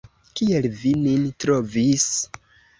Kiel vi nin trovis?